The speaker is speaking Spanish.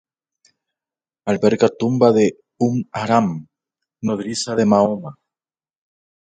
Alberga tumba de Umm Haram, nodriza de Mahoma.